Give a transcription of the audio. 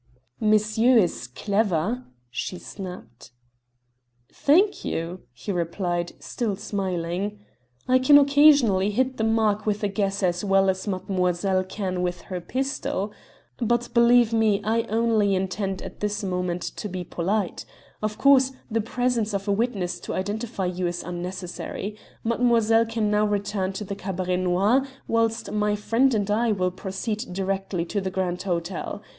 "Monsieur is clever," she snapped. "Thank you," he replied, still smiling. "I can occasionally hit the mark with a guess as well as mademoiselle can with her pistol. But, believe me, I only intend at this moment to be polite. Of course, the presence of a witness to identify you is unnecessary. Mademoiselle can now return to the Cabaret Noir, whilst my friend and I will proceed direct to the Grand Hotel.